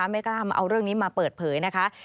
ไม่กล้ามาเอาเรื่องนี้มาเปิดเผยนะคะ